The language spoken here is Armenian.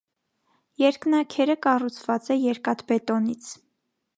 Երկնաքերը կառուցված է երկաթբետոնից։